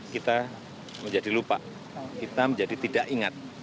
kita menjadi lupa kita menjadi tidak ingat